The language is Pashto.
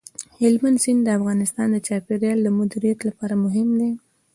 هلمند سیند د افغانستان د چاپیریال د مدیریت لپاره مهم دي.